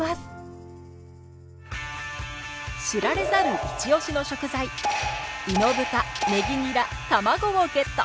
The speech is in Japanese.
知られざるイチオシの食材猪豚ねぎにら卵をゲット。